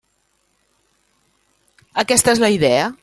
Aquesta és la idea.